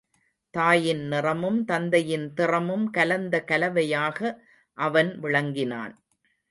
தாயின் நிறமும், தந்தையின் திறமும் கலந்த கலவையாக அவன் விளங்கினான்.